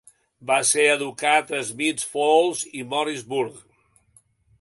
Va ser educat a Smiths Falls i Morrisburg.